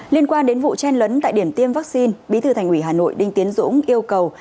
liên quan đến vụ chen lấn tại điểm tiêm vaccine bí thư thành ủy hà nội đinh tiến dũng yêu cầu